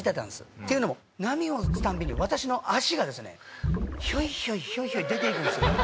っていうのも波を打つたんびに私の足がですねヒョイヒョイヒョイヒョイ出ていくんですよ。